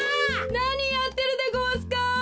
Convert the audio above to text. なにやってるでごわすか？